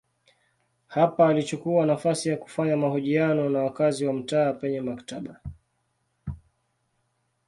Hapa alichukua nafasi ya kufanya mahojiano na wakazi wa mtaa penye maktaba.